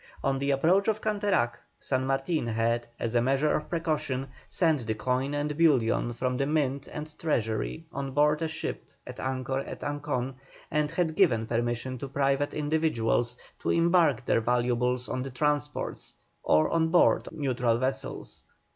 On the approach of Canterac, San Martin had, as a measure of precaution, sent the coin and bullion from the mint and treasury on board a ship at anchor at Ancon, and had given permission to private individuals to embark their valuables on the transports, or on board of neutral vessels.